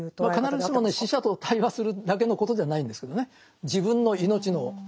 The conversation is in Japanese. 必ずしもね死者と対話するだけのことじゃないんですけどね。